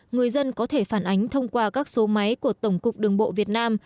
người dân có thể phản ánh thông qua các số máy của tổng cục đường bộ việt nam